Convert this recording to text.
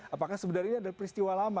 apakah sebenarnya ini adalah peristiwa lama